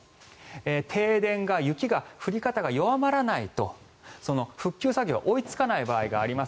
停電が雪の降り方が弱まらないと復旧作業が追いつかない場合があります。